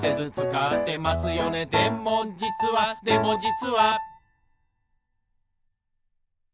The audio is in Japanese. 「でもじつはでもじつは」